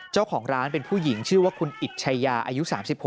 เจ้าของร้านเป็นผู้หญิงชื่อว่าคุณอิตชายาอายุ๓๖